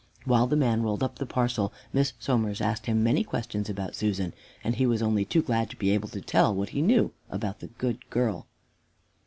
While the man rolled up the parcel, Miss Somers asked him many questions about Susan, and he was only too glad to be able to tell what he knew about the good girl.